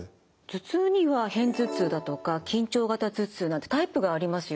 頭痛には片頭痛だとか緊張型頭痛なんてタイプがありますよね。